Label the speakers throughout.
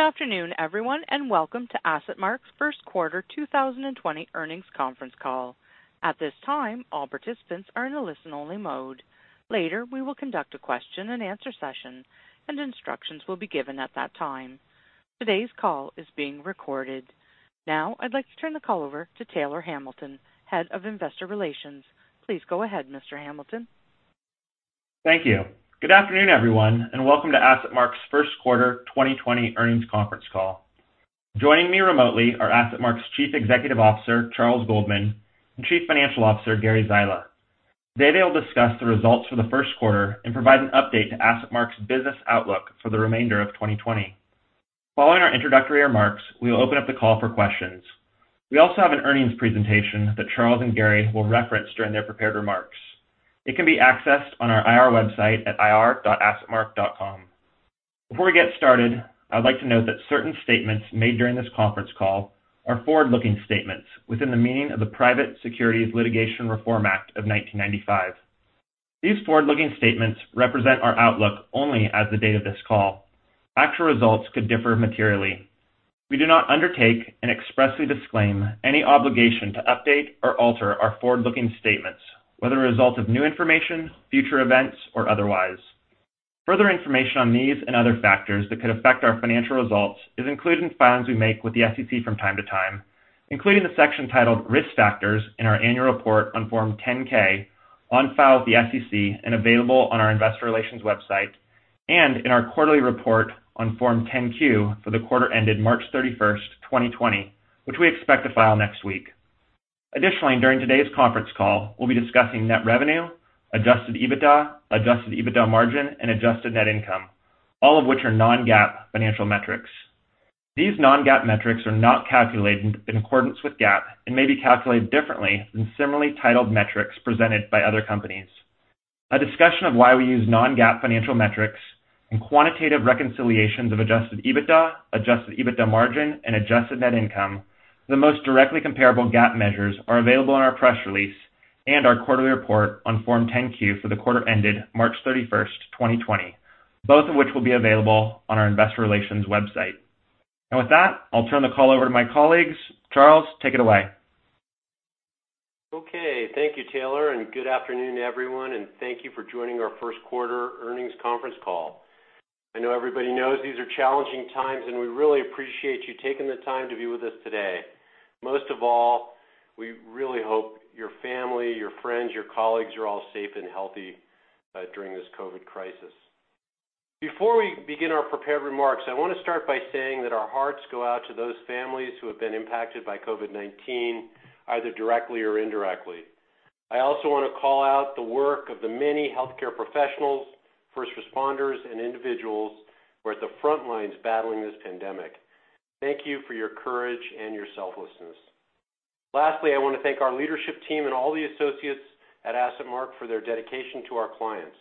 Speaker 1: Good afternoon, everyone, and welcome to AssetMark's first quarter 2020 earnings conference call. At this time, all participants are in a listen-only mode. Later, we will conduct a question-and-answer session, and instructions will be given at that time. Today's call is being recorded. Now I'd like to turn the call over to Taylor Hamilton, Head of Investor Relations. Please go ahead, Mr. Hamilton.
Speaker 2: Thank you. Good afternoon, everyone, and welcome to AssetMark's first quarter 2020 earnings conference call. Joining me remotely are AssetMark's Chief Executive Officer, Charles Goldman, and Chief Financial Officer, Gary Zyla. Today they'll discuss the results for the first quarter and provide an update to AssetMark's business outlook for the remainder of 2020. Following our introductory remarks, we will open up the call for questions. We also have an earnings presentation that Charles and Gary will reference during their prepared remarks. It can be accessed on our IR website at ir.assetmark.com. Before we get started, I'd like to note that certain statements made during this conference call are forward-looking statements within the meaning of the Private Securities Litigation Reform Act of 1995. These forward-looking statements represent our outlook only as of the date of this call. Actual results could differ materially. We do not undertake and expressly disclaim any obligation to update or alter our forward-looking statements, whether a result of new information, future events, or otherwise. Further information on these and other factors that could affect our financial results is included in filings we make with the SEC from time to time, including the section titled Risk Factors in our annual report on Form 10-K on file with the SEC and available on our investor relations website, and in our quarterly report on Form 10-Q for the quarter ended March 31st, 2020, which we expect to file next week. Additionally, during today's conference call, we'll be discussing net revenue, adjusted EBITDA, adjusted EBITDA margin, and adjusted net income, all of which are non-GAAP financial metrics. These non-GAAP metrics are not calculated in accordance with GAAP and may be calculated differently than similarly titled metrics presented by other companies. A discussion of why we use non-GAAP financial metrics and quantitative reconciliations of adjusted EBITDA, adjusted EBITDA margin, and adjusted net income, the most directly comparable GAAP measures are available in our press release and our quarterly report on Form 10-Q for the quarter ended March 31st, 2020, both of which will be available on our investor relations website. With that, I'll turn the call over to my colleagues. Charles, take it away.
Speaker 3: Okay. Thank you, Taylor. Good afternoon, everyone. Thank you for joining our first quarter earnings conference call. I know everybody knows these are challenging times. We really appreciate you taking the time to be with us today. Most of all, we really hope your family, your friends, your colleagues are all safe and healthy during this COVID-19. Before we begin our prepared remarks, I want to start by saying that our hearts go out to those families who have been impacted by COVID-19, either directly or indirectly. I also want to call out the work of the many healthcare professionals, first responders, and individuals who are at the front lines battling this pandemic. Thank you for your courage and your selflessness. Lastly, I want to thank our leadership team and all the associates at AssetMark for their dedication to our clients.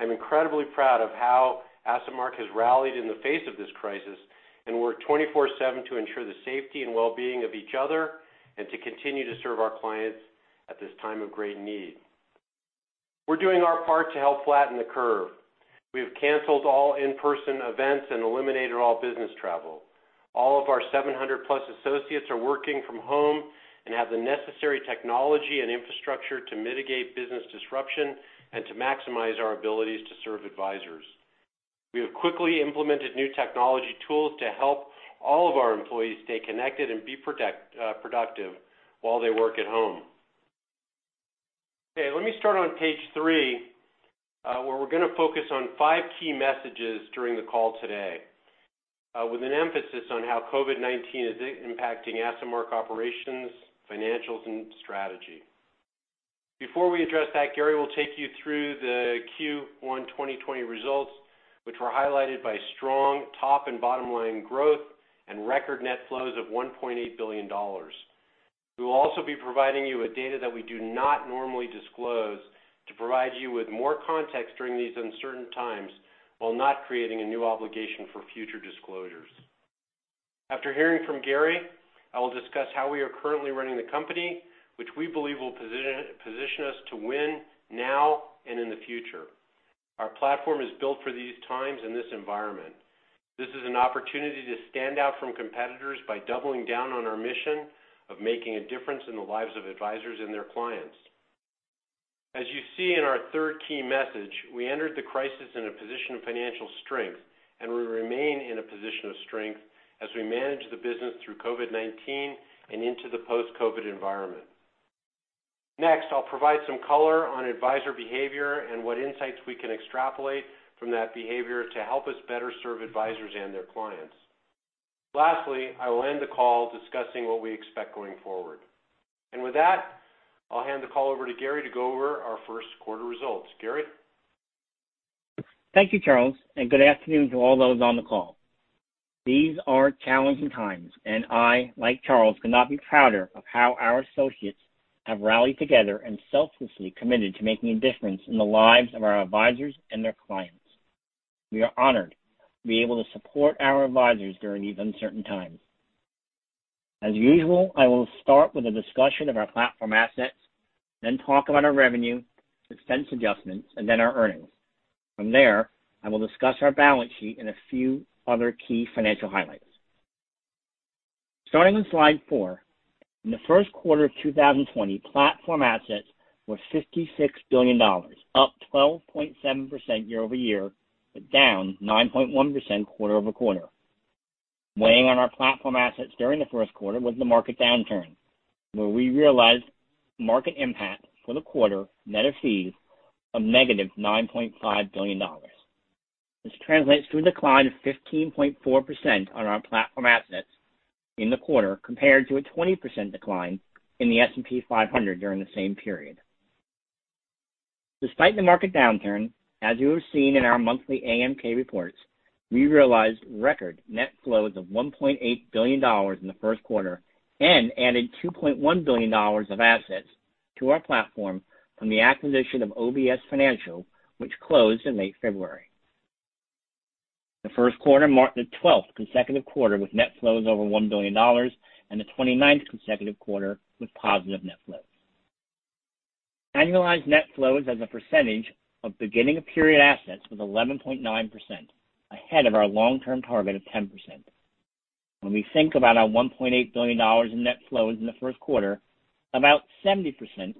Speaker 3: I'm incredibly proud of how AssetMark has rallied in the face of this crisis and worked 24/7 to ensure the safety and wellbeing of each other and to continue to serve our clients at this time of great need. We're doing our part to help flatten the curve. We have canceled all in-person events and eliminated all business travel. All of our 700-plus associates are working from home and have the necessary technology and infrastructure to mitigate business disruption and to maximize our abilities to serve advisors. We have quickly implemented new technology tools to help all of our employees stay connected and be productive while they work at home. Okay, let me start on page three, where we're going to focus on five key messages during the call today, with an emphasis on how COVID-19 is impacting AssetMark operations, financials, and strategy. Before we address that, Gary will take you through the Q1 2020 results, which were highlighted by strong top and bottom-line growth and record net flows of $1.8 billion. We will also be providing you with data that we do not normally disclose to provide you with more context during these uncertain times while not creating a new obligation for future disclosures. After hearing from Gary, I will discuss how we are currently running the company, which we believe will position us to win now and in the future. Our platform is built for these times and this environment. This is an opportunity to stand out from competitors by doubling down on our mission of making a difference in the lives of advisors and their clients. As you see in our third key message, we entered the crisis in a position of financial strength, and we remain in a position of strength as we manage the business through COVID-19 and into the post-COVID environment. I'll provide some color on advisor behavior and what insights we can extrapolate from that behavior to help us better serve advisors and their clients. I will end the call discussing what we expect going forward. With that, I'll hand the call over to Gary to go over our first quarter results. Gary?
Speaker 4: Thank you, Charles, and good afternoon to all those on the call. These are challenging times, and I, like Charles, could not be prouder of how our associates have rallied together and selflessly committed to making a difference in the lives of our advisors and their clients. We are honored to be able to support our advisors during these uncertain times. As usual, I will start with a discussion of our platform assets, then talk about our revenue, expense adjustments, and then our earnings. From there, I will discuss our balance sheet and a few other key financial highlights. Starting on slide four, in the first quarter of 2020, platform assets were $56 billion, up 12.7% year-over-year, but down 9.1% quarter-over-quarter. Weighing on our platform assets during the first quarter was the market downturn, where we realized market impact for the quarter net of fees of negative $9.5 billion. This translates to a decline of 15.4% on our platform assets in the quarter, compared to a 20% decline in the S&P 500 during the same period. Despite the market downturn, as you have seen in our monthly AMK reports, we realized record net flows of $1.8 billion in the first quarter and added $2.1 billion of assets to our platform from the acquisition of OBS Financial, which closed in late February. The first quarter marked the 12th consecutive quarter with net flows over $1 billion, and the 29th consecutive quarter with positive net flows. Annualized net flows as a percentage of beginning of period assets was 11.9%, ahead of our long-term target of 10%. When we think about our $1.8 billion in net flows in the first quarter, about 70%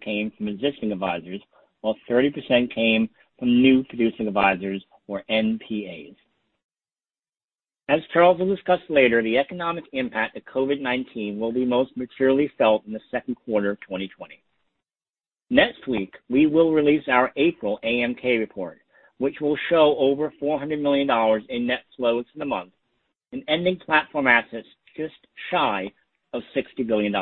Speaker 4: came from existing advisors, while 30% came from new producing advisors, or NPAs. As Charles Goldman will discuss later, the economic impact of COVID-19 will be most maturely felt in the second quarter of 2020. Next week, we will release our April AMK report, which will show over $400 million in net flows in the month and ending platform assets just shy of $60 billion.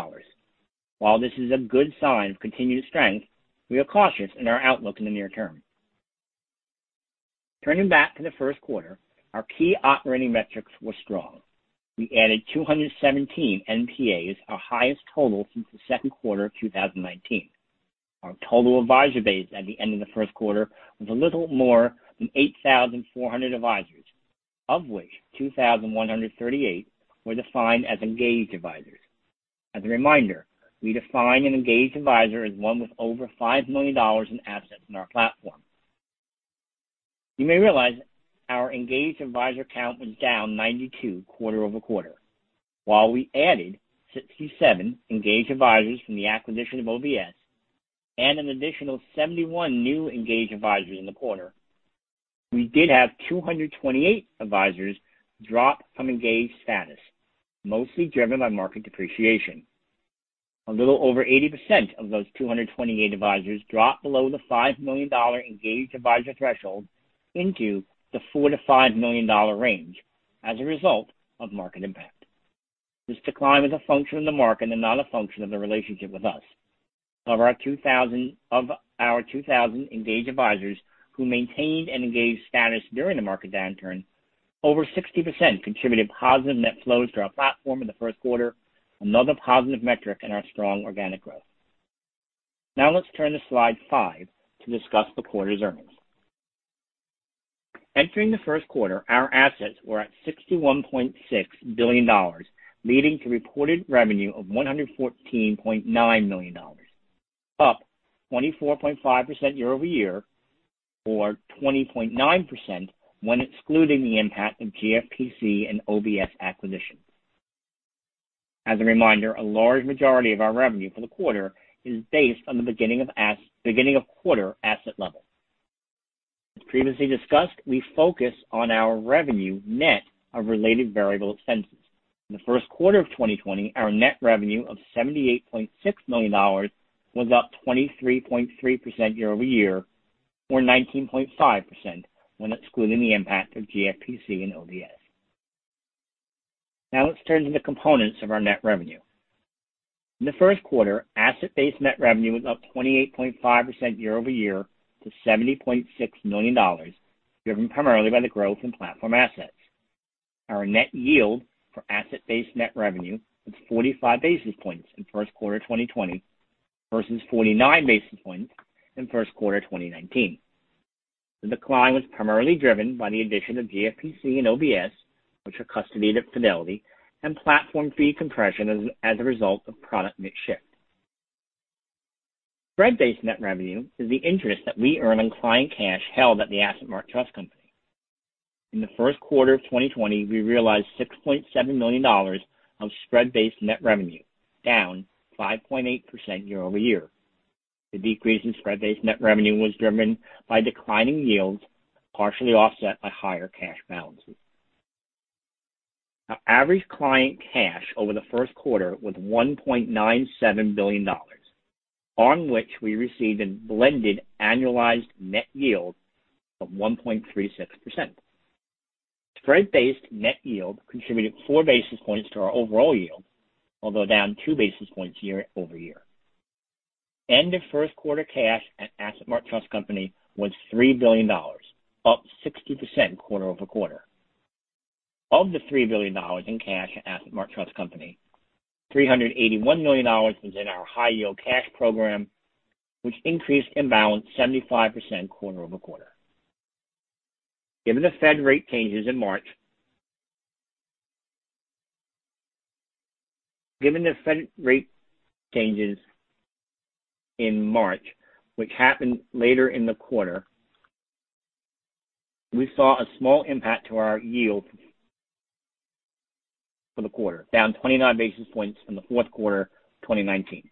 Speaker 4: While this is a good sign of continued strength, we are cautious in our outlook in the near term. Turning back to the first quarter, our key operating metrics were strong. We added 217 NPAs, our highest total since the second quarter of 2019. Our total advisor base at the end of the first quarter was a little more than 8,400 advisors, of which 2,138 were defined as engaged advisors. As a reminder, we define an engaged advisor as one with over $5 million in assets in our platform. You may realize our engaged advisor count was down 92 quarter-over-quarter. While we added 67 engaged advisors from the acquisition of OBS and an additional 71 new engaged advisors in the quarter, we did have 228 advisors drop from engaged status, mostly driven by market depreciation. A little over 80% of those 228 advisors dropped below the $5 million engaged advisor threshold into the $4 million to $5 million range as a result of market impact. This decline is a function of the market and not a function of the relationship with us. Of our 2,000 engaged advisors who maintained an engaged status during the market downturn, over 60% contributed positive net flows to our platform in the first quarter, another positive metric in our strong organic growth. Now let's turn to slide five to discuss the quarter's earnings. Entering the first quarter, our assets were at $61.6 billion, leading to reported revenue of $114.9 million, up 24.5% year-over-year or 20.9% when excluding the impact of GFPC and OBS acquisition. As a reminder, a large majority of our revenue for the quarter is based on the beginning of quarter asset level. As previously discussed, we focus on our revenue net of related variable expenses. In the first quarter of 2020, our net revenue of $78.6 million was up 23.3% year-over-year or 19.5% when excluding the impact of GFPC and OBS. Now let's turn to the components of our net revenue. In the first quarter, asset-based net revenue was up 28.5% year-over-year to $70.6 million, driven primarily by the growth in platform assets. Our net yield for asset-based net revenue was 45 basis points in first quarter 2020 versus 49 basis points in first quarter 2019. The decline was primarily driven by the addition of GFPC and OBS, which are custodied at Fidelity, and platform fee compression as a result of product mix shift. Spread-based net revenue is the interest that we earn on client cash held at the AssetMark Trust Company. In the first quarter of 2020, we realized $6.7 million of spread-based net revenue, down 5.8% year-over-year. The decrease in spread-based net revenue was driven by declining yields, partially offset by higher cash balances. Our average client cash over the first quarter was $1.97 billion, on which we received a blended annualized net yield of 1.36%. Spread-based net yield contributed four basis points to our overall yield, although down two basis points year-over-year. End of first quarter cash at AssetMark Trust Company was $3 billion, up 60% quarter-over-quarter. Of the $3 billion in cash at AssetMark Trust Company, $381 million was in our high yield cash program, which increased in balance 75% quarter-over-quarter. Given the Fed rate changes in March, which happened later in the quarter, we saw a small impact to our yield for the quarter, down 29 basis points from the fourth quarter 2019.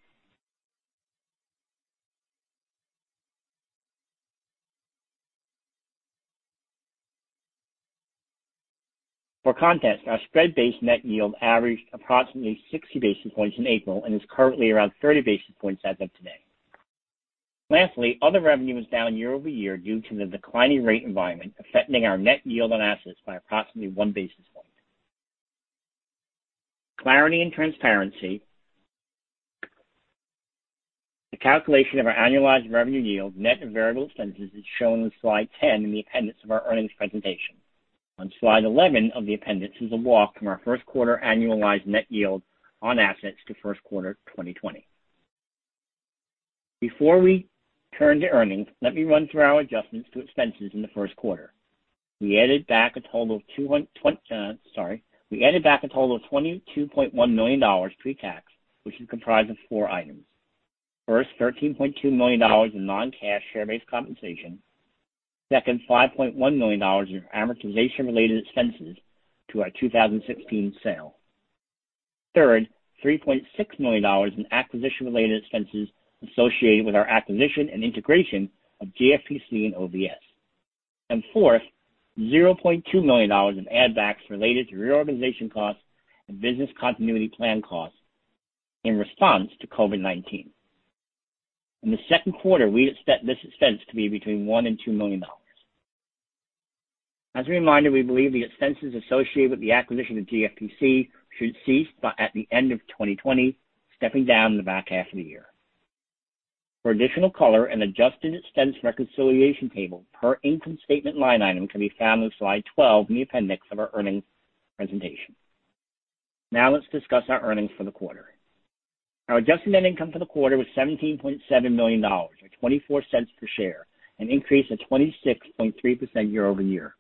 Speaker 4: For context, our spread-based net yield averaged approximately 60 basis points in April and is currently around 30 basis points as of today. Lastly, other revenue was down year-over-year due to the declining rate environment affecting our net yield on assets by approximately one basis point. Clarity and transparency. The calculation of our annualized revenue yield net of variable expenses is shown on slide 10 in the appendix of our earnings presentation. On slide 11 of the appendix is a walk from our first quarter annualized net yield on assets to first quarter 2020. Before we turn to earnings, let me run through our adjustments to expenses in the first quarter. We added back a total of $22.1 million pre-tax, which is comprised of four items. First, $13.2 million in non-cash share-based compensation. Second, $5.1 million in amortization-related expenses to our 2016 sale. Third, $3.6 million in acquisition-related expenses associated with our acquisition and integration of GFPC and OBS. Fourth, $0.2 million in add backs related to reorganization costs and business continuity plan costs in response to COVID-19. In the second quarter, we expect this expense to be between $1 million and $2 million. As a reminder, we believe the expenses associated with the acquisition of GFPC should cease by at the end of 2020, stepping down in the back half of the year. For additional color, an adjusted expense reconciliation table per income statement line item can be found on slide 12 in the appendix of our earnings presentation. Let's discuss our earnings for the quarter. Our adjusted net income for the quarter was $17.7 million, or $0.24 per share, an increase of 26.3% year-over-year.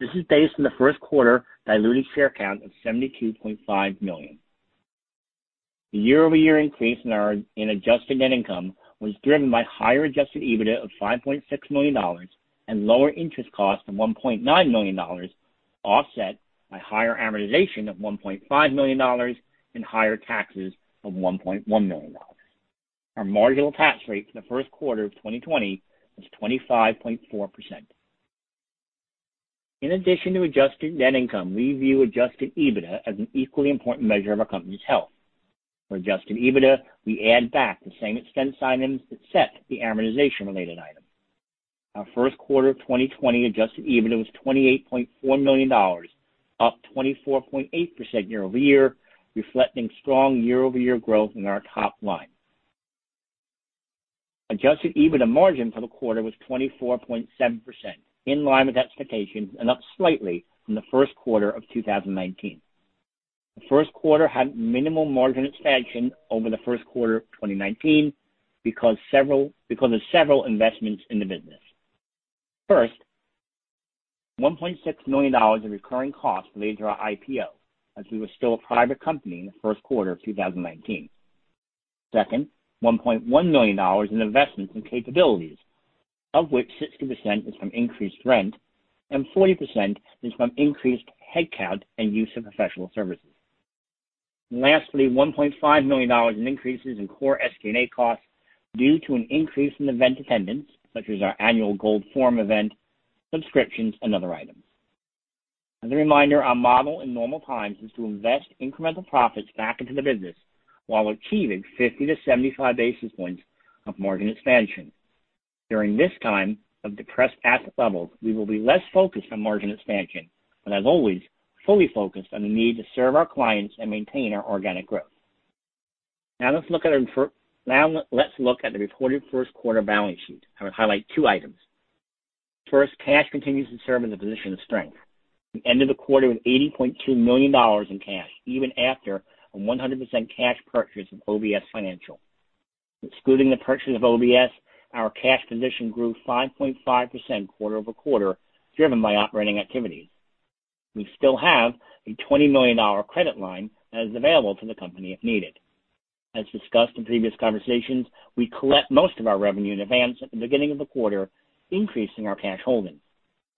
Speaker 4: This is based on the first quarter diluted share count of 72.5 million. The year-over-year increase in adjusted net income was driven by higher adjusted EBITDA of $5.6 million and lower interest costs of $1.9 million, offset by higher amortization of $1.5 million and higher taxes of $1.1 million. Our marginal tax rate for the first quarter of 2020 was 25.4%. In addition to adjusted net income, we view adjusted EBITDA as an equally important measure of our company's health. For adjusted EBITDA, we add back the same expense items except the amortization-related item. Our first quarter 2020 adjusted EBITDA was $28.4 million, up 24.8% year-over-year, reflecting strong year-over-year growth in our top line. Adjusted EBITDA margin for the quarter was 24.7%, in line with expectations and up slightly from the first quarter of 2019. The first quarter had minimal margin expansion over the first quarter of 2019 because of several investments in the business. First, $1.6 million of recurring costs related to our IPO, as we were still a private company in the first quarter of 2019. Second, $1.1 million in investments and capabilities, of which 60% is from increased rent and 40% is from increased headcount and use of professional services. Lastly, $1.5 million in increases in core SG&A costs due to an increase in event attendance, such as our annual Gold Forum event, subscriptions, and other items. As a reminder, our model in normal times is to invest incremental profits back into the business while achieving 50 to 75 basis points of margin expansion. During this time of depressed asset levels, we will be less focused on margin expansion, but as always, fully focused on the need to serve our clients and maintain our organic growth. Now let's look at the reported first quarter balance sheet. I would highlight two items. First, cash continues to serve in the position of strength. We ended the quarter with $80.2 million in cash, even after a 100% cash purchase of OBS Financial. Excluding the purchase of OBS, our cash position grew 5.5% quarter-over-quarter, driven by operating activities. We still have a $20 million credit line that is available to the company if needed. As discussed in previous conversations, we collect most of our revenue in advance at the beginning of the quarter, increasing our cash holdings.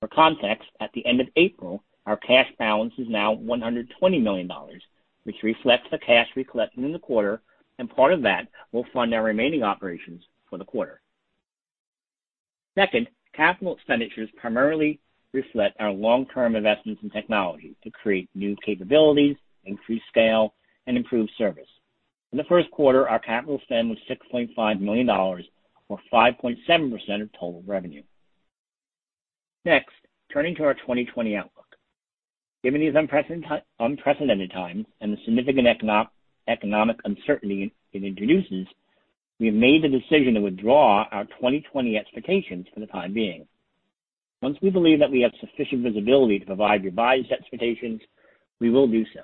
Speaker 4: For context, at the end of April, our cash balance is now $120 million, which reflects the cash we collected in the quarter, and part of that will fund our remaining operations for the quarter. Second, capital expenditures primarily reflect our long-term investments in technology to create new capabilities, increase scale, and improve service. In the first quarter, our capital spend was $6.5 million, or 5.7% of total revenue. Turning to our 2020 outlook. Given these unprecedented times and the significant economic uncertainty it introduces, we have made the decision to withdraw our 2020 expectations for the time being. Once we believe that we have sufficient visibility to provide revised expectations, we will do so.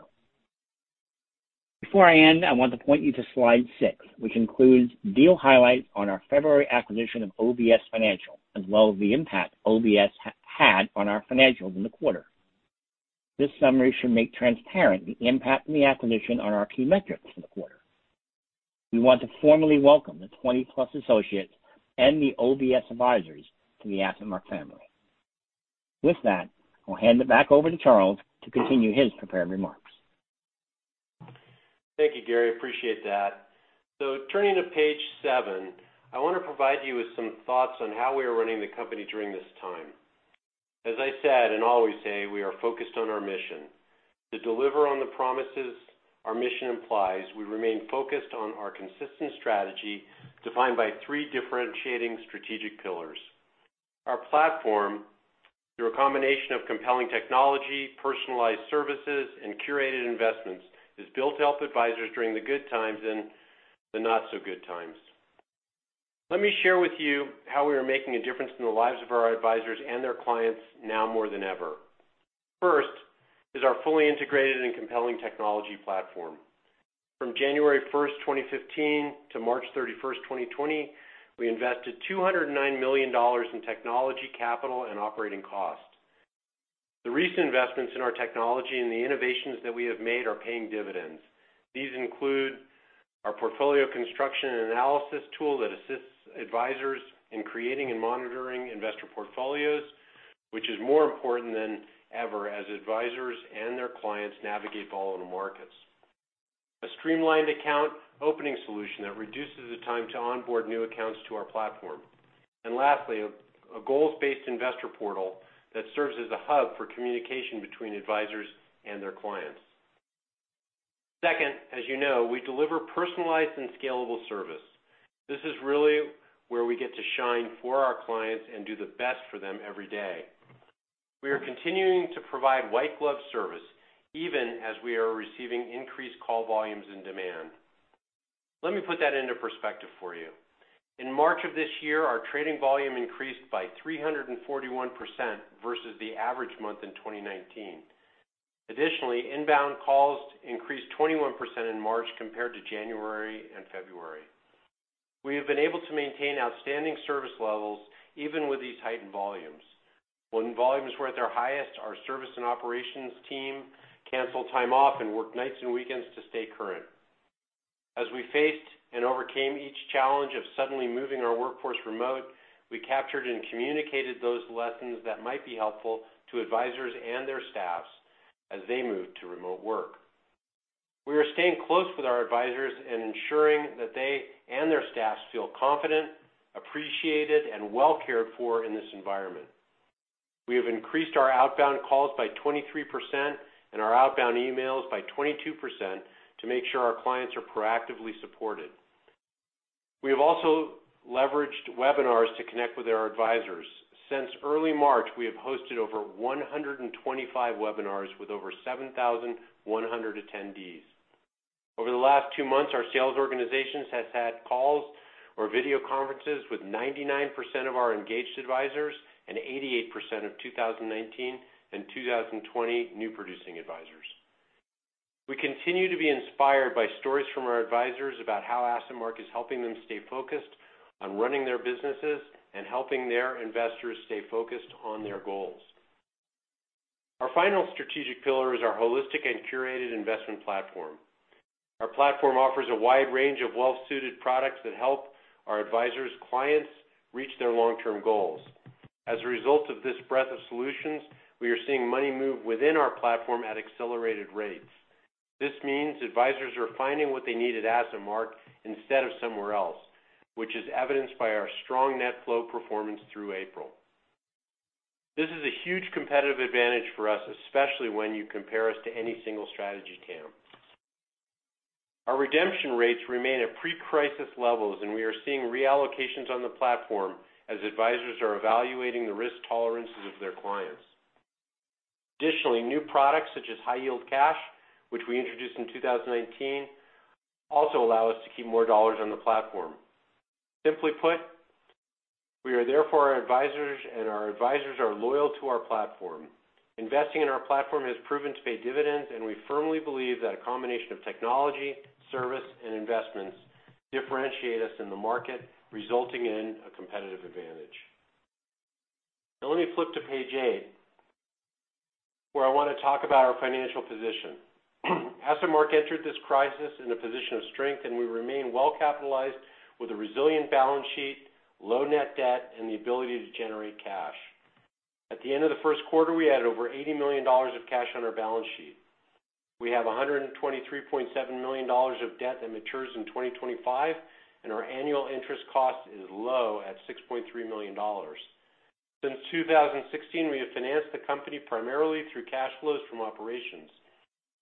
Speaker 4: Before I end, I want to point you to slide six, which includes deal highlights on our February acquisition of OBS Financial, as well as the impact OBS had on our financials in the quarter. This summary should make transparent the impact of the acquisition on our key metrics for the quarter. We want to formally welcome the 20-plus associates and the OBS advisors to the AssetMark family. With that, I'll hand it back over to Charles to continue his prepared remarks.
Speaker 3: Thank you, Gary. Appreciate that. Turning to page seven, I want to provide you with some thoughts on how we are running the company during this time. As I said and always say, we are focused on our mission. To deliver on the promises our mission implies, we remain focused on our consistent strategy defined by three differentiating strategic pillars. Our platform, through a combination of compelling technology, personalized services, and curated investments, is built to help advisors during the good times and the not-so-good times. Let me share with you how we are making a difference in the lives of our advisors and their clients now more than ever. First is our fully integrated and compelling technology platform. From January 1st, 2015 to March 31st, 2020, we invested $209 million in technology capital and operating costs. The recent investments in our technology and the innovations that we have made are paying dividends. These include our portfolio construction and analysis tool that assists advisors in creating and monitoring investor portfolios, which is more important than ever as advisors and their clients navigate volatile markets. A streamlined account opening solution that reduces the time to onboard new accounts to our platform. Lastly, a goals-based investor portal that serves as a hub for communication between advisors and their clients. Second, as you know, we deliver personalized and scalable service. This is really where we get to shine for our clients and do the best for them every day. We are continuing to provide white glove service even as we are receiving increased call volumes and demand. Let me put that into perspective for you. In March of this year, our trading volume increased by 341% versus the average month in 2019. Additionally, inbound calls increased 21% in March compared to January and February. We have been able to maintain outstanding service levels even with these heightened volumes. When volumes were at their highest, our service and operations team canceled time off and worked nights and weekends to stay current. As we faced and overcame each challenge of suddenly moving our workforce remote, we captured and communicated those lessons that might be helpful to advisors and their staffs as they moved to remote work. We are staying close with our advisors and ensuring that they and their staffs feel confident, appreciated, and well cared for in this environment. We have increased our outbound calls by 23% and our outbound emails by 22% to make sure our clients are proactively supported. We have also leveraged webinars to connect with our advisors. Since early March, we have hosted over 125 webinars with over 7,100 attendees. Over the last two months, our sales organization has had calls or video conferences with 99% of our engaged advisors and 88% of 2019 and 2020 new producing advisors. We continue to be inspired by stories from our advisors about how AssetMark is helping them stay focused on running their businesses and helping their investors stay focused on their goals. Our final strategic pillar is our holistic and curated investment platform. Our platform offers a wide range of well-suited products that help our advisors' clients reach their long-term goals. As a result of this breadth of solutions, we are seeing money move within our platform at accelerated rates. This means advisors are finding what they need at AssetMark instead of somewhere else, which is evidenced by our strong net flow performance through April. This is a huge competitive advantage for us, especially when you compare us to any single strategy TAMP. Our redemption rates remain at pre-crisis levels, and we are seeing reallocations on the platform as advisors are evaluating the risk tolerances of their clients. Additionally, new products such as high yield cash, which we introduced in 2019, also allow us to keep more dollars on the platform. Simply put, we are there for our advisors, and our advisors are loyal to our platform. Investing in our platform has proven to pay dividends, and we firmly believe that a combination of technology, service, and investments differentiate us in the market, resulting in a competitive advantage. Now let me flip to page eight, where I want to talk about our financial position. AssetMark entered this crisis in a position of strength, and we remain well-capitalized with a resilient balance sheet, low net debt, and the ability to generate cash. At the end of the first quarter, we had over $80 million of cash on our balance sheet. We have $123.7 million of debt that matures in 2025, and our annual interest cost is low at $6.3 million. Since 2016, we have financed the company primarily through cash flows from operations.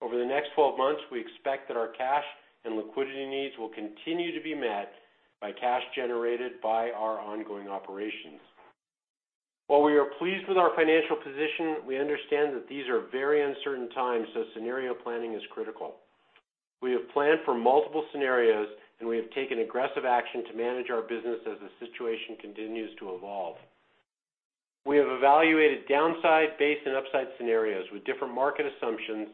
Speaker 3: Over the next 12 months, we expect that our cash and liquidity needs will continue to be met by cash generated by our ongoing operations. While we are pleased with our financial position, we understand that these are very uncertain times, so scenario planning is critical. We have planned for multiple scenarios, and we have taken aggressive action to manage our business as the situation continues to evolve. We have evaluated downside base and upside scenarios with different market assumptions,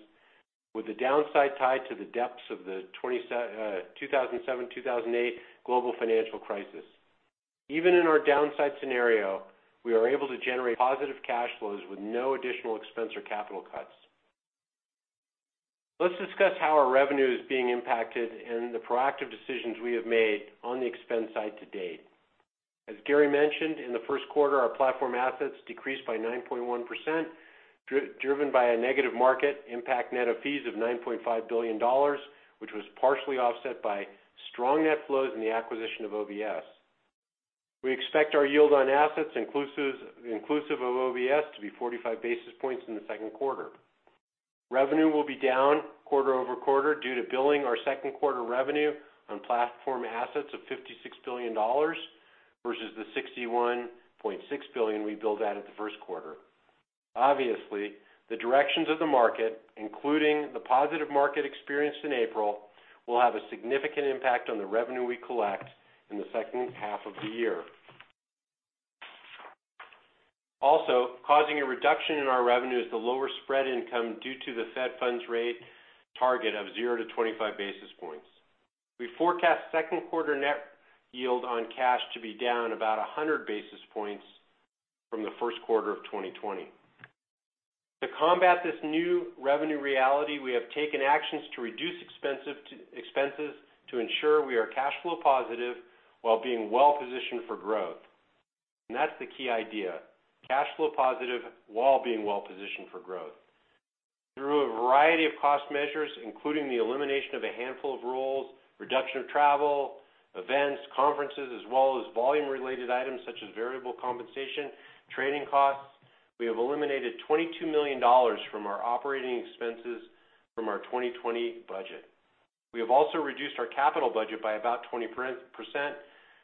Speaker 3: with the downside tied to the depths of the 2007-2008 global financial crisis. Even in our downside scenario, we are able to generate positive cash flows with no additional expense or capital cuts. Let's discuss how our revenue is being impacted and the proactive decisions we have made on the expense side to date. As Gary mentioned, in the first quarter, our platform assets decreased by 9.1%, driven by a negative market impact net of fees of $9.5 billion, which was partially offset by strong net flows in the acquisition of OBS. We expect our yield on assets inclusive of OBS to be 45 basis points in the second quarter. Revenue will be down quarter-over-quarter due to billing our second quarter revenue on platform assets of $56 billion versus the $61.6 billion we billed at in the first quarter. Obviously, the directions of the market, including the positive market experienced in April, will have a significant impact on the revenue we collect in the second half of the year. Also causing a reduction in our revenue is the lower spread income due to the Fed funds rate target of zero to 25 basis points. We forecast second quarter net yield on cash to be down about 100 basis points from the first quarter of 2020. To combat this new revenue reality, we have taken actions to reduce expenses to ensure we are cash flow positive while being well-positioned for growth. That's the key idea, cash flow positive while being well-positioned for growth. Through a variety of cost measures, including the elimination of a handful of roles, reduction of travel, events, conferences, as well as volume related items such as variable compensation, trading costs, we have eliminated $22 million from our operating expenses from our 2020 budget. We have also reduced our capital budget by about 20%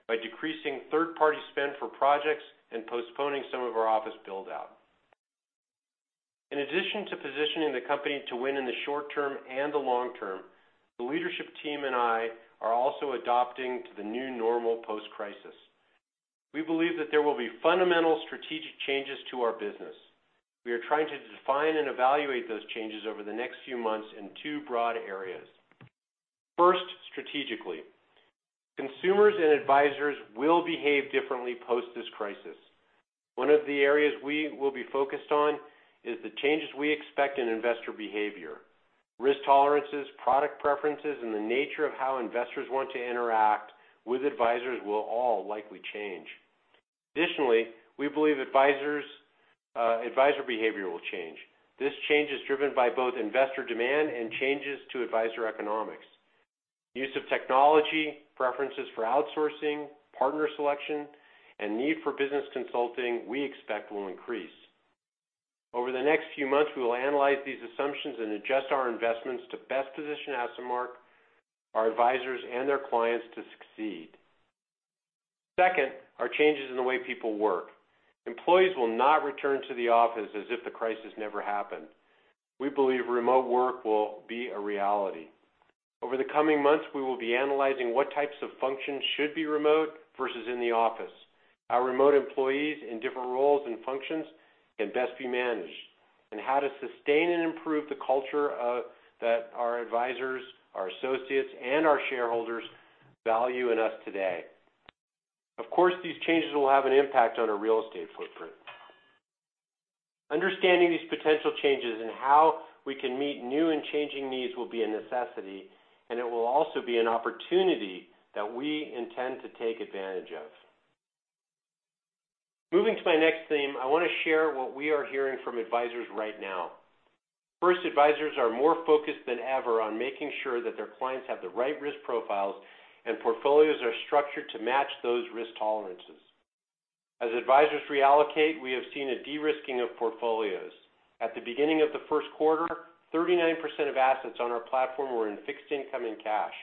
Speaker 3: by decreasing third-party spend for projects and postponing some of our office build-out. In addition to positioning the company to win in the short term and the long term, the leadership team and I are also adapting to the new normal post-crisis. We believe that there will be fundamental strategic changes to our business. We are trying to define and evaluate those changes over the next few months in two broad areas. First, strategically. Consumers and advisors will behave differently post this crisis. One of the areas we will be focused on is the changes we expect in investor behavior. Risk tolerances, product preferences, and the nature of how investors want to interact with advisors will all likely change. Additionally, we believe advisor behavior will change. This change is driven by both investor demand and changes to advisor economics. Use of technology, preferences for outsourcing, partner selection, and need for business consulting we expect will increase. Over the next few months, we will analyze these assumptions and adjust our investments to best position AssetMark, our advisors, and their clients to succeed. Second are changes in the way people work. Employees will not return to the office as if the crisis never happened. We believe remote work will be a reality. Over the coming months, we will be analyzing what types of functions should be remote versus in the office, how remote employees in different roles and functions can best be managed, and how to sustain and improve the culture that our advisors, our associates, and our shareholders value in us today. Of course, these changes will have an impact on our real estate footprint. Understanding these potential changes and how we can meet new and changing needs will be a necessity, and it will also be an opportunity that we intend to take advantage of. Moving to my next theme, I want to share what we are hearing from advisors right now. First, advisors are more focused than ever on making sure that their clients have the right risk profiles and portfolios are structured to match those risk tolerances. As advisors reallocate, we have seen a de-risking of portfolios. At the beginning of the first quarter, 39% of assets on our platform were in fixed income and cash.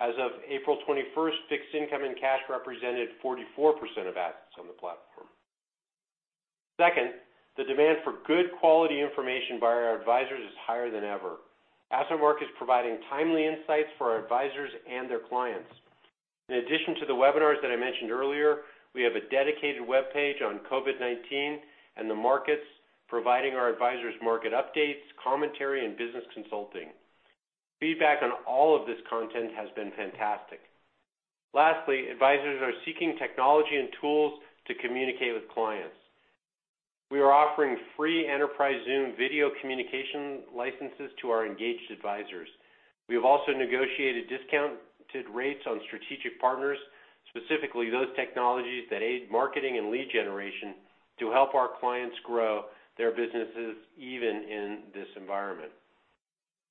Speaker 3: As of April 21st, fixed income and cash represented 44% of assets on the platform. Second, the demand for good quality information by our advisors is higher than ever. AssetMark is providing timely insights for our advisors and their clients. In addition to the webinars that I mentioned earlier, we have a dedicated webpage on COVID-19 and the markets providing our advisors market updates, commentary, and business consulting. Feedback on all of this content has been fantastic. Lastly, advisors are seeking technology and tools to communicate with clients. We are offering free enterprise Zoom video communication licenses to our engaged advisors. We have also negotiated discounted rates on strategic partners, specifically those technologies that aid marketing and lead generation to help our clients grow their businesses, even in this environment.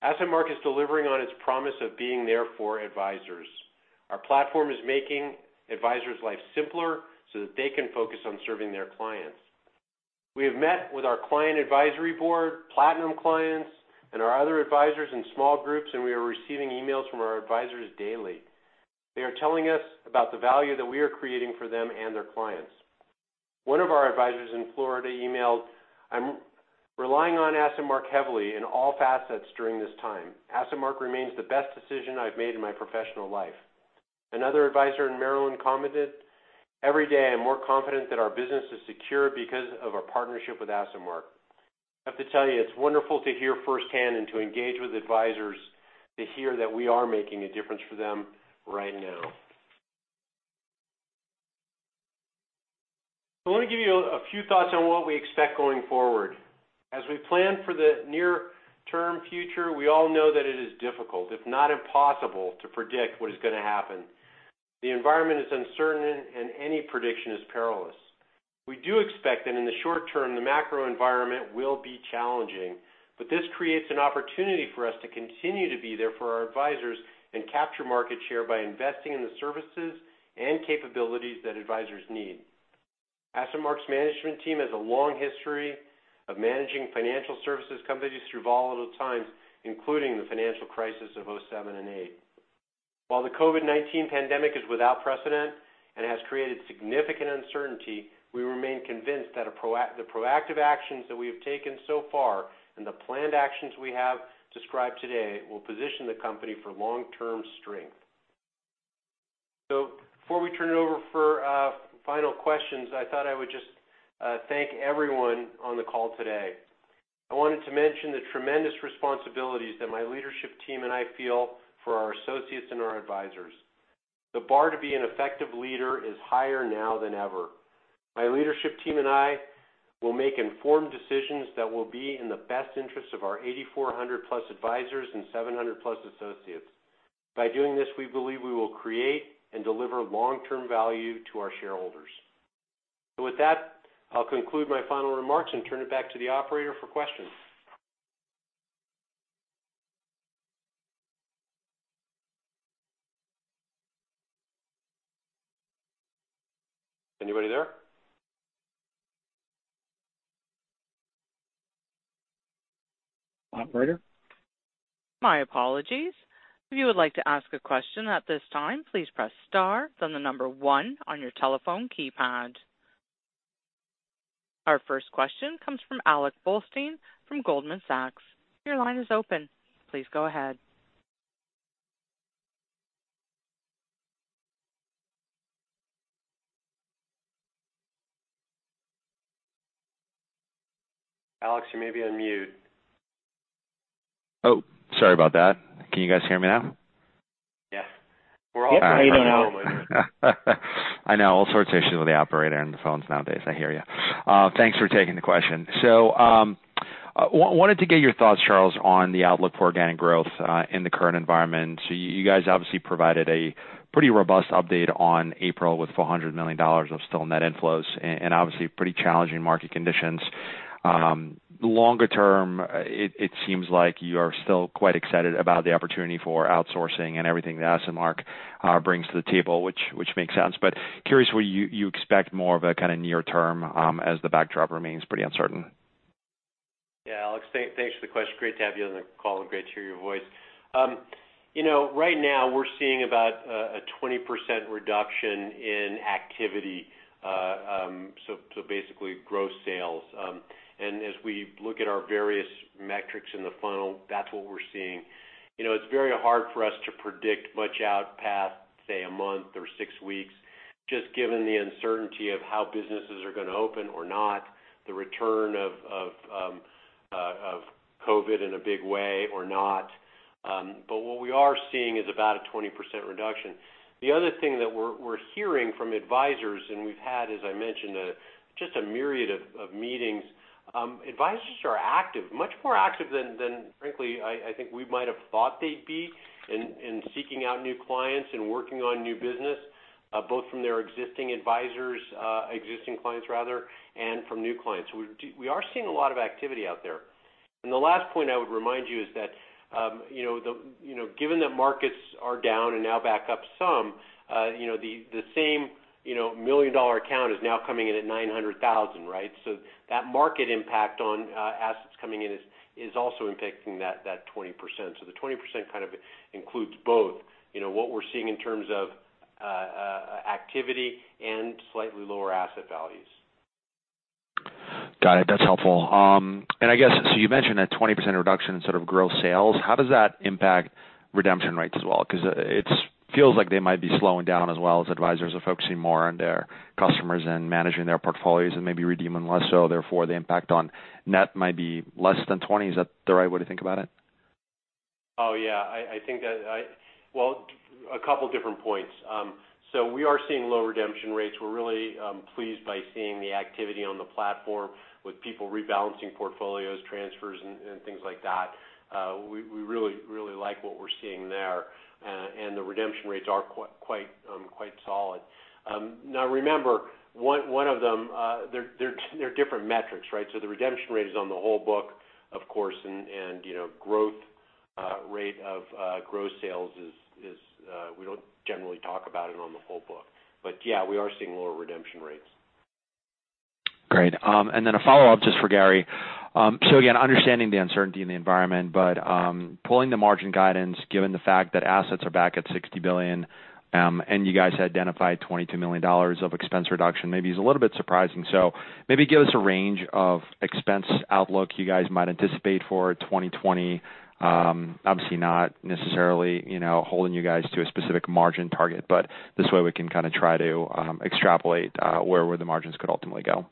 Speaker 3: AssetMark is delivering on its promise of being there for advisors. Our platform is making advisors' life simpler so that they can focus on serving their clients. We have met with our client advisory board, platinum clients, and our other advisors in small groups, and we are receiving emails from our advisors daily. They are telling us about the value that we are creating for them and their clients. One of our advisors in Florida emailed, "Relying on AssetMark heavily in all facets during this time. AssetMark remains the best decision I've made in my professional life." Another advisor in Maryland commented, "Every day, I'm more confident that our business is secure because of our partnership with AssetMark." I have to tell you, it's wonderful to hear firsthand and to engage with advisors to hear that we are making a difference for them right now. Let me give you a few thoughts on what we expect going forward. As we plan for the near-term future, we all know that it is difficult, if not impossible, to predict what is going to happen. The environment is uncertain and any prediction is perilous. We do expect that in the short term, the macro environment will be challenging, but this creates an opportunity for us to continue to be there for our advisors and capture market share by investing in the services and capabilities that advisors need. AssetMark's management team has a long history of managing financial services companies through volatile times, including the financial crisis of 2007 and 2008. While the COVID-19 pandemic is without precedent and has created significant uncertainty, we remain convinced that the proactive actions that we have taken so far and the planned actions we have described today will position the company for long-term strength. Before we turn it over for final questions, I thought I would just thank everyone on the call today. I wanted to mention the tremendous responsibilities that my leadership team and I feel for our associates and our advisors. The bar to be an effective leader is higher now than ever. My leadership team and I will make informed decisions that will be in the best interest of our 8,400-plus advisors and 700-plus associates. By doing this, we believe we will create and deliver long-term value to our shareholders. With that, I'll conclude my final remarks and turn it back to the operator for questions. Anybody there? Operator?
Speaker 1: My apologies. If you would like to ask a question at this time, please press star, then the number one on your telephone keypad. Our first question comes from Alex Blostein from Goldman Sachs. Your line is open. Please go ahead.
Speaker 3: Alex, you may be on mute.
Speaker 5: Oh, sorry about that. Can you guys hear me now?
Speaker 3: Yes. We're all fighting with you.
Speaker 5: I know. All sorts of issues with the operator and the phones nowadays. I hear you. Thanks for taking the question. Wanted to get your thoughts, Charles, on the outlook for organic growth in the current environment. You guys obviously provided a pretty robust update on April with $400 million of still net inflows and obviously pretty challenging market conditions. Longer term, it seems like you're still quite excited about the opportunity for outsourcing and everything that AssetMark brings to the table, which makes sense. Curious what you expect more of a kind of near term as the backdrop remains pretty uncertain.
Speaker 3: Yeah, Alex, thanks for the question. Great to have you on the call, and great to hear your voice. Right now we're seeing about a 20% reduction in activity, so basically gross sales. As we look at our various metrics in the funnel, that's what we're seeing. It's very hard for us to predict much out past, say, a month or six weeks, just given the uncertainty of how businesses are going to open or not, the return of COVID in a big way or not. What we are seeing is about a 20% reduction. The other thing that we're hearing from advisors, and we've had, as I mentioned, just a myriad of meetings, advisors are active, much more active than frankly I think we might have thought they'd be in seeking out new clients and working on new business, both from their existing clients and from new clients. We are seeing a lot of activity out there. The last point I would remind you is that given that markets are down and now back up some, the same million-dollar account is now coming in at $900,000, right? That market impact on assets coming in is also impacting that 20%. The 20% kind of includes both what we're seeing in terms of activity and slightly lower asset values.
Speaker 5: Got it. That's helpful. I guess, so you mentioned a 20% reduction in sort of gross sales. How does that impact redemption rates as well? Because it feels like they might be slowing down as well as advisors are focusing more on their customers and managing their portfolios and maybe redeeming less so therefore the impact on net might be less than 20. Is that the right way to think about it?
Speaker 3: Oh, yeah. Well, a couple different points. We are seeing low redemption rates. We're really pleased by seeing the activity on the platform with people rebalancing portfolios, transfers, and things like that. We really, really like what we're seeing there. The redemption rates are quite solid. Now remember, one of them, they're different metrics, right? The redemption rate is on the whole book, of course, and growth rate of gross sales is, we don't generally talk about it on the whole book. Yeah, we are seeing lower redemption rates.
Speaker 5: Great. A follow-up just for Gary. Again, understanding the uncertainty in the environment, but pulling the margin guidance, given the fact that assets are back at $60 billion, and you guys identified $22 million of expense reduction, maybe is a little bit surprising. Maybe give us a range of expense outlook you guys might anticipate for 2020. Obviously not necessarily holding you guys to a specific margin target, but this way we can kind of try to extrapolate where the margins could ultimately go.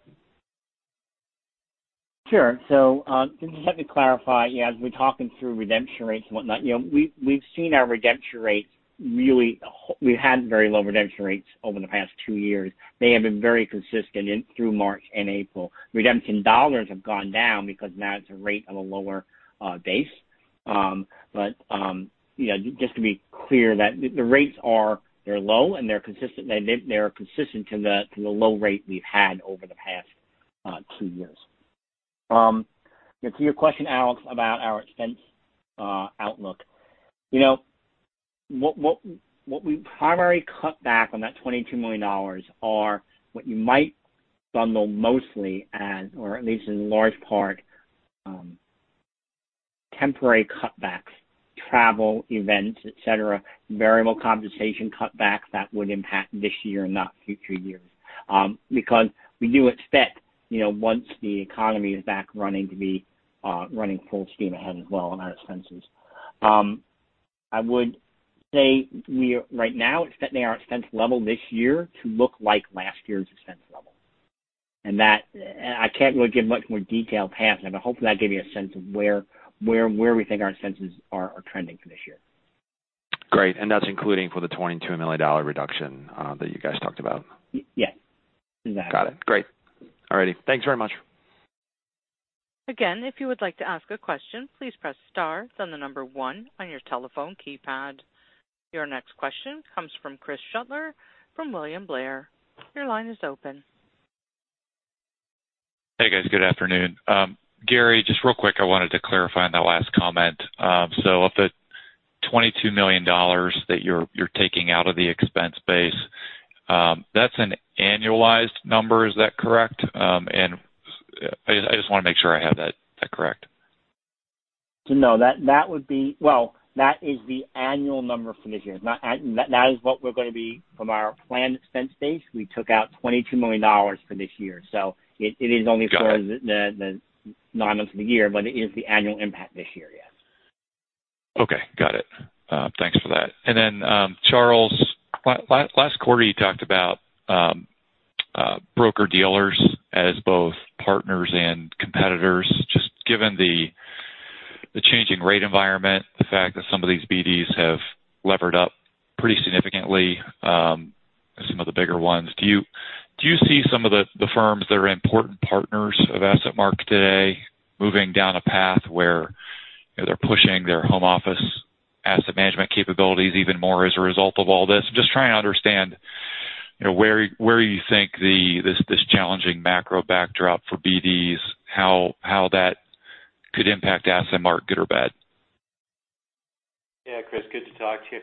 Speaker 4: Sure. Just let me clarify. As we're talking through redemption rates and whatnot, we've had very low redemption rates over the past two years. They have been very consistent through March and April. Redemption dollars have gone down because now it's a rate on a lower base. Just to be clear, the rates are low, and they're consistent to the low rate we've had over the past two years. To your question, Alex, about our expense outlook. What we primarily cut back on that $22 million are what you might bundle mostly as, or at least in large part, temporary cutbacks, travel, events, et cetera, variable compensation cutbacks that would impact this year and not future years. We do expect, once the economy is back running, to be running full steam ahead as well on our expenses. I would say we are right now expecting our expense level this year to look like last year's expense level. I can't really give much more detail past that, but hopefully that gave you a sense of where we think our expenses are trending for this year.
Speaker 5: Great, that's including for the $22 million reduction that you guys talked about?
Speaker 4: Yes. Exactly.
Speaker 5: Got it. Great. All righty. Thanks very much.
Speaker 1: Again, if you would like to ask a question, please press star, then the number one on your telephone keypad. Your next question comes from Chris Shutler from William Blair. Your line is open.
Speaker 6: Hey, guys. Good afternoon. Gary, just real quick, I wanted to clarify on that last comment. Of the $22 million that you're taking out of the expense base, that's an annualized number, is that correct? I just want to make sure I have that correct.
Speaker 4: No. That is the annual number for this year. That is what we're going to be from our planned expense base. We took out $22 million for this year.
Speaker 6: Got it.
Speaker 4: for the nine months of the year, but it is the annual impact this year, yes.
Speaker 6: Okay, got it. Thanks for that. Charles, last quarter you talked about broker-dealers as both partners and competitors. Just given the changing rate environment, the fact that some of these BDs have levered up pretty significantly, some of the bigger ones. Do you see some of the firms that are important partners of AssetMark today moving down a path where they're pushing their home office asset management capabilities even more as a result of all this? I'm just trying to understand where you think this challenging macro backdrop for BDs, how that could impact AssetMark, good or bad.
Speaker 3: Chris Shutler, good to talk to you.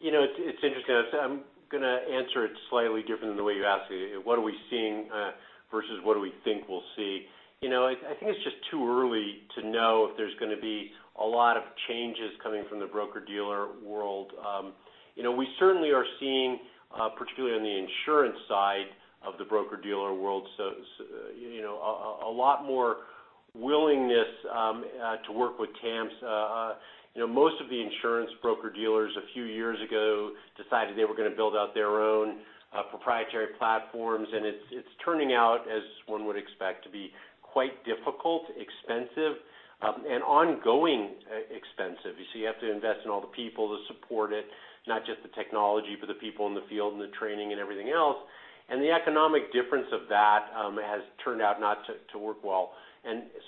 Speaker 3: It's interesting. I'm going to answer it slightly different than the way you asked it. What are we seeing versus what do we think we'll see? I think it's just too early to know if there's going to be a lot of changes coming from the broker-dealer world. We certainly are seeing, particularly on the insurance side of the broker-dealer world, a lot more willingness to work with TAMPs. Most of the insurance broker-dealers a few years ago decided they were going to build out their own proprietary platforms, and it's turning out as one would expect to be quite difficult, expensive, and ongoing expensive. You have to invest in all the people to support it, not just the technology, but the people in the field and the training and everything else. The economic difference of that has turned out not to work well.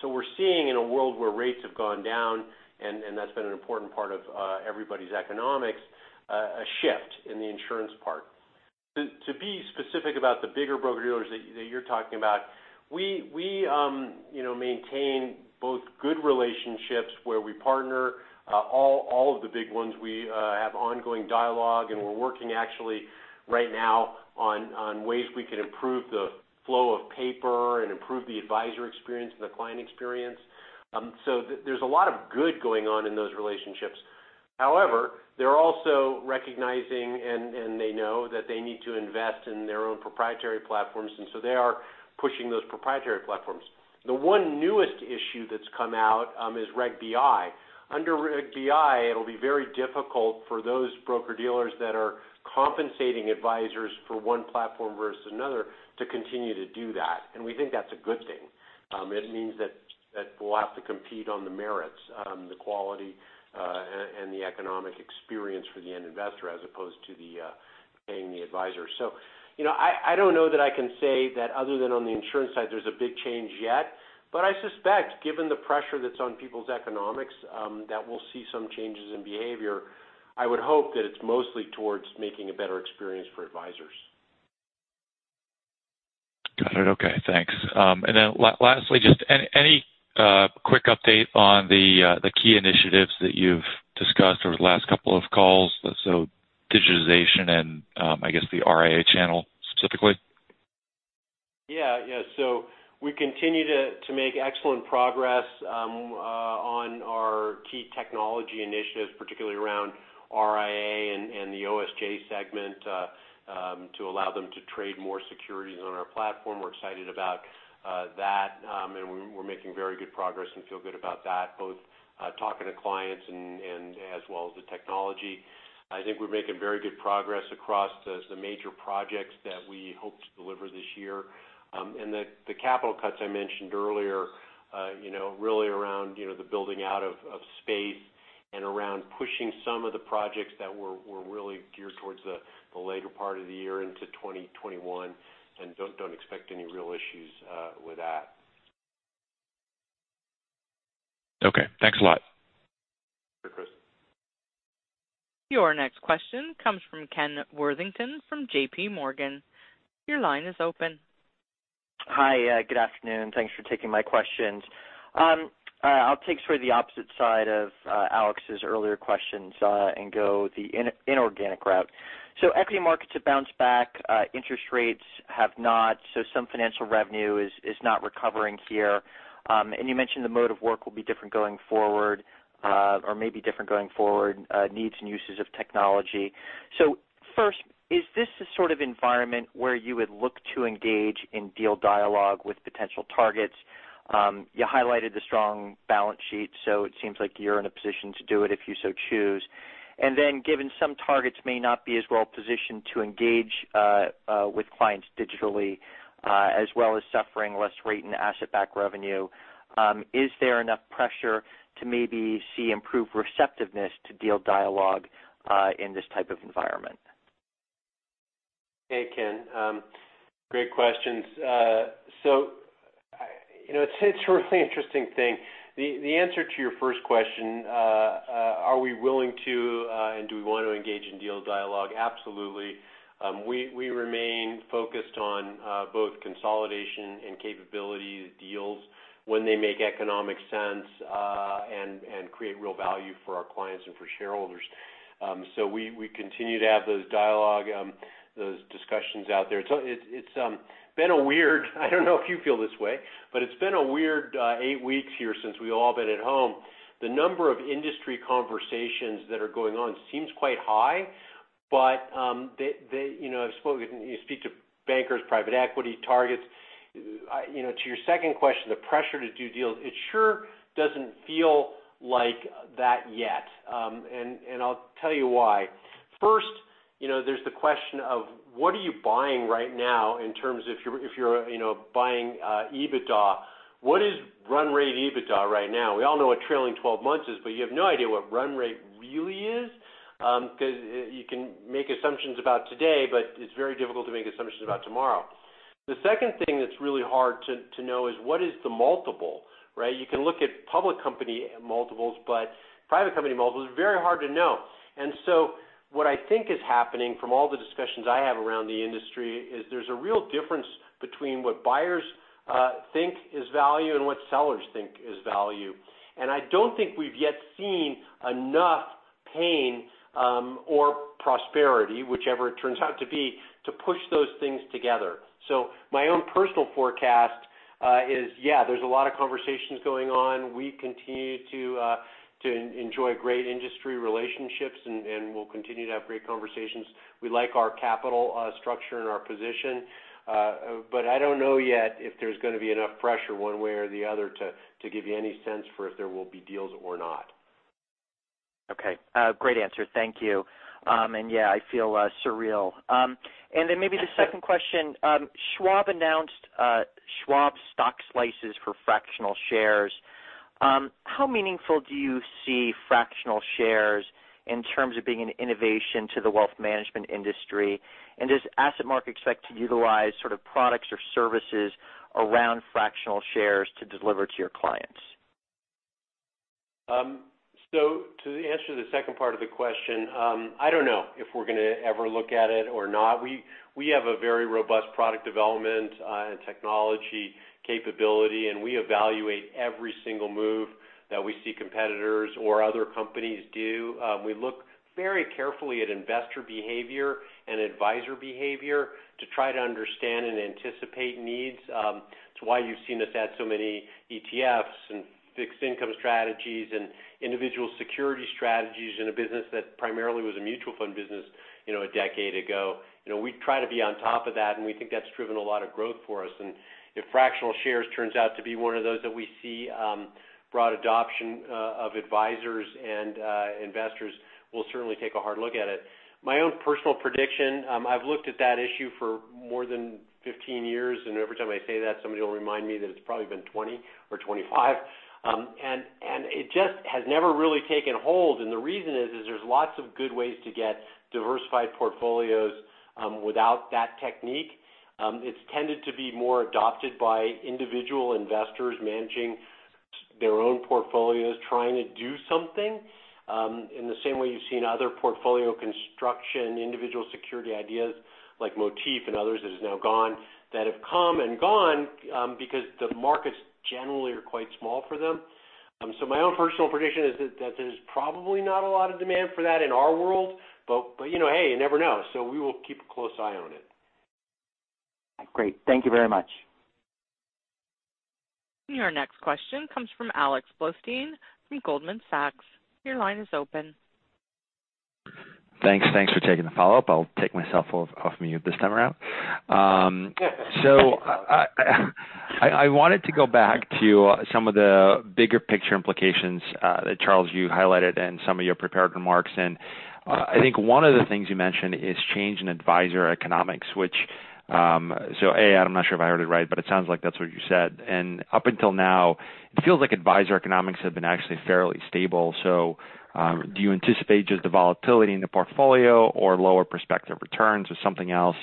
Speaker 3: We're seeing in a world where rates have gone down, and that's been an important part of everybody's economics, a shift in the insurance part. To be specific about the bigger broker-dealers that you're talking about, we maintain both good relationships where we partner. All of the big ones we have ongoing dialogue, and we're working actually right now on ways we can improve the flow of paper and improve the advisor experience and the client experience. There's a lot of good going on in those relationships. However, they're also recognizing, and they know that they need to invest in their own proprietary platforms, and so they are pushing those proprietary platforms. The one newest issue that's come out is Reg BI. Under Reg BI, it'll be very difficult for those broker-dealers that are compensating advisors for one platform versus another to continue to do that. We think that's a good thing. It means that we'll have to compete on the merits, the quality, and the economic experience for the end investor as opposed to paying the advisor. I don't know that I can say that other than on the insurance side there's a big change yet. I suspect given the pressure that's on people's economics, that we'll see some changes in behavior. I would hope that it's mostly towards making a better experience for advisors.
Speaker 6: Got it. Okay, thanks. Lastly, any quick update on the key initiatives that you've discussed over the last couple of calls? Digitization and, I guess, the RIA channel specifically?
Speaker 3: Yeah. We continue to make excellent progress on our key technology initiatives, particularly around RIA and the OSJ segment, to allow them to trade more securities on our platform. We're excited about that. We're making very good progress and feel good about that, both talking to clients as well as the technology. I think we're making very good progress across the major projects that we hope to deliver this year. The capital cuts I mentioned earlier, really around the building out of space and around pushing some of the projects that were really geared towards the later part of the year into 2021, and don't expect any real issues with that.
Speaker 6: Okay, thanks a lot.
Speaker 3: Sure, Chris.
Speaker 1: Your next question comes from Ken Worthington from JP Morgan. Your line is open.
Speaker 7: Hi, good afternoon. Thanks for taking my questions. I'll take sort of the opposite side of Alex's earlier questions and go the inorganic route. Equity markets have bounced back, interest rates have not, so some financial revenue is not recovering here. You mentioned the mode of work will be different going forward, or may be different going forward, needs and uses of technology. First, is this the sort of environment where you would look to engage in deal dialogue with potential targets? You highlighted the strong balance sheet, so it seems like you're in a position to do it if you so choose. Then given some targets may not be as well positioned to engage with clients digitally, as well as suffering less rate in asset-backed revenue, is there enough pressure to maybe see improved receptiveness to deal dialogue in this type of environment?
Speaker 3: Hey, Ken. Great questions. It's a really interesting thing. The answer to your first question, are we willing to and do we want to engage in deal dialogue? Absolutely. We remain focused on both consolidation and capabilities deals when they make economic sense and create real value for our clients and for shareholders. We continue to have those dialogue, those discussions out there. It's been a weird, I don't know if you feel this way, but it's been a weird eight weeks here since we've all been at home. The number of industry conversations that are going on seems quite high, but you speak to bankers, private equity targets. To your second question, the pressure to do deals, it sure doesn't feel like that yet. I'll tell you why. First, there's the question of what are you buying right now in terms if you're buying EBITDA. What is run rate EBITDA right now? We all know what trailing 12 months is, but you have no idea what run rate really is. You can make assumptions about today, but it's very difficult to make assumptions about tomorrow. The second thing that's really hard to know is what is the multiple, right? You can look at public company multiples, but private company multiples are very hard to know. What I think is happening from all the discussions I have around the industry is there's a real difference between what buyers think is value and what sellers think is value. I don't think we've yet seen enough pain or prosperity, whichever it turns out to be, to push those things together. My own personal forecast is, yeah, there's a lot of conversations going on. We continue to enjoy great industry relationships and we'll continue to have great conversations. We like our capital structure and our position. I don't know yet if there's going to be enough pressure one way or the other to give you any sense for if there will be deals or not.
Speaker 7: Okay. Great answer. Thank you. Yeah, I feel surreal. Maybe the second question. Schwab announced Schwab Stock Slices for fractional shares. How meaningful do you see fractional shares in terms of being an innovation to the wealth management industry? Does AssetMark expect to utilize sort of products or services around fractional shares to deliver to your clients?
Speaker 3: To answer the second part of the question, I don't know if we're going to ever look at it or not. We have a very robust product development and technology capability, and we evaluate every single move that we see competitors or other companies do. We look very carefully at investor behavior and advisor behavior to try to understand and anticipate needs. It's why you've seen us add so many ETFs and fixed income strategies and individual security strategies in a business that primarily was a mutual fund business a decade ago. We try to be on top of that, and we think that's driven a lot of growth for us. If fractional shares turns out to be one of those that we see broad adoption of advisors and investors, we'll certainly take a hard look at it. My own personal prediction, I've looked at that issue for more than 15 years, and every time I say that, somebody will remind me that it's probably been 20 or 25, and it just has never really taken hold. The reason is there's lots of good ways to get diversified portfolios without that technique. It's tended to be more adopted by individual investors managing their own portfolios, trying to do something. In the same way you've seen other portfolio construction individual security ideas like Motif and others that is now gone, that have come and gone, because the markets generally are quite small for them. My own personal prediction is that there's probably not a lot of demand for that in our world, but, hey, you never know. We will keep a close eye on it.
Speaker 7: Great. Thank you very much.
Speaker 1: Your next question comes from Alex Blostein from Goldman Sachs. Your line is open.
Speaker 5: Thanks for taking the follow-up. I'll take myself off mute this time around. I wanted to go back to some of the bigger picture implications, that Charles, you highlighted in some of your prepared remarks, and I think one of the things you mentioned is change in advisor economics. A, I'm not sure if I heard it right, but it sounds like that's what you said, and up until now, it feels like advisor economics have been actually fairly stable. Do you anticipate just the volatility in the portfolio, or lower prospective returns, or something else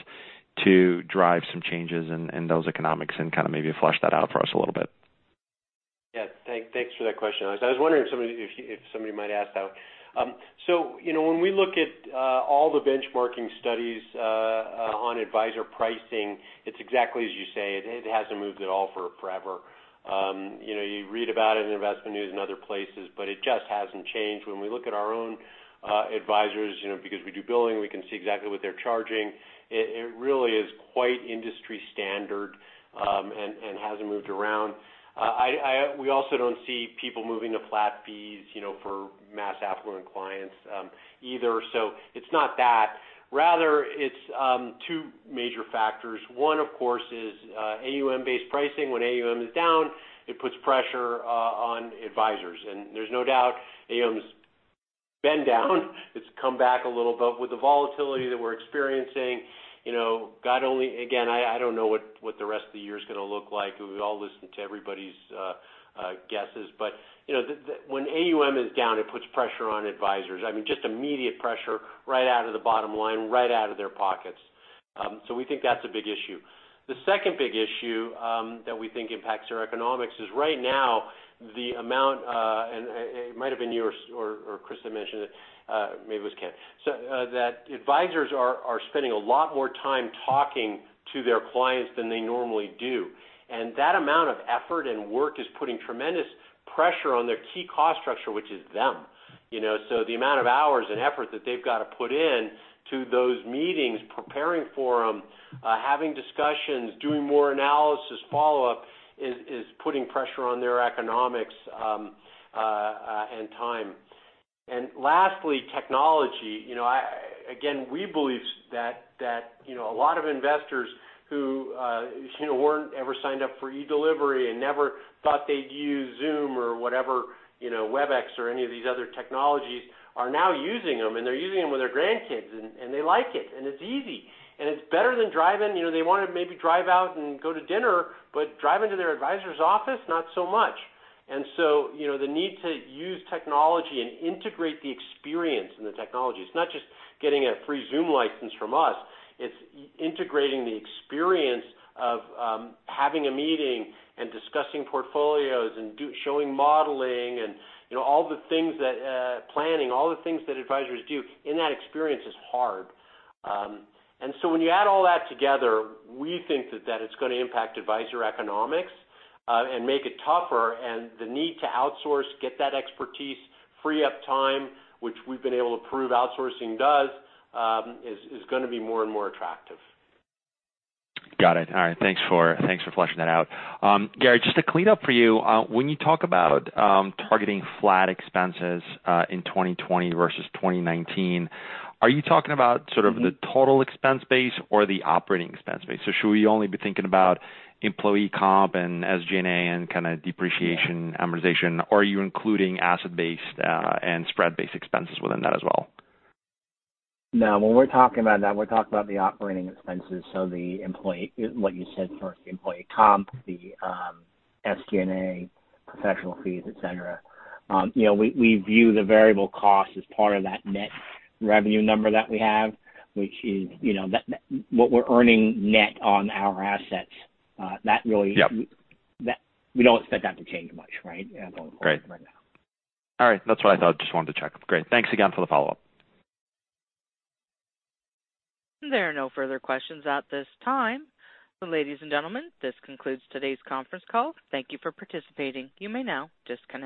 Speaker 5: to drive some changes in those economics, and kind of maybe flesh that out for us a little bit?
Speaker 3: Yeah. Thanks for that question, Alex. I was wondering if somebody might ask that. When we look at all the benchmarking studies on advisor pricing, it's exactly as you say. It hasn't moved at all for forever. You read about it in InvestmentNews and other places, but it just hasn't changed. When we look at our own advisors, because we do billing, we can see exactly what they're charging. It really is quite industry standard, and hasn't moved around. We also don't see people moving to flat fees for mass affluent clients either, so it's not that. Rather, it's two major factors. One, of course, is AUM-based pricing. When AUM is down, it puts pressure on advisors, and there's no doubt AUM's been down. It's come back a little. With the volatility that we're experiencing, I don't know what the rest of the year is going to look like. We've all listened to everybody's guesses. When AUM is down, it puts pressure on advisors. I mean, just immediate pressure right out of the bottom line, right out of their pockets. We think that's a big issue. The second big issue that we think impacts our economics is right now the amount, and it might've been you or Chris that mentioned it, maybe it was Ken, that advisors are spending a lot more time talking to their clients than they normally do, and that amount of effort and work is putting tremendous pressure on their key cost structure, which is them. The amount of hours and effort that they've got to put in to those meetings, preparing for them, having discussions, doing more analysis, follow-up, is putting pressure on their economics and time. Lastly, technology. Again, we believe that a lot of investors who weren't ever signed up for eDelivery, and never thought they'd use Zoom or whatever, Webex or any of these other technologies, are now using them, and they're using them with their grandkids, and they like it, and it's easy. It's better than driving. They want to maybe drive out and go to dinner, but driving to their advisor's office, not so much. The need to use technology and integrate the experience in the technology. It's not just getting a free Zoom license from us. It's integrating the experience of having a meeting and discussing portfolios, and showing modeling, and planning all the things that advisors do, and that experience is hard. When you add all that together, we think that it's going to impact advisor economics, and make it tougher, and the need to outsource, get that expertise, free up time, which we've been able to prove outsourcing does, is going to be more and more attractive.
Speaker 5: Got it. All right. Thanks for fleshing that out. Gary, just to clean up for you, when you talk about targeting flat expenses in 2020 versus 2019, are you talking about sort of the total expense base or the operating expense base? Should we only be thinking about employee comp and SG&A, and kind of depreciation, amortization, or are you including asset-based and spread-based expenses within that as well?
Speaker 4: No. When we're talking about that, we're talking about the operating expenses, so what you said first, the employee comp, the SG&A, professional fees, et cetera. We view the variable cost as part of that net revenue number that we have, which is what we're earning net on our assets.
Speaker 5: Yep.
Speaker 4: We don't expect that to change much, right?
Speaker 5: Great. All right. That's what I thought. Just wanted to check. Great. Thanks again for the follow-up.
Speaker 1: There are no further questions at this time. Ladies and gentlemen, this concludes today's conference call. Thank you for participating. You may now disconnect.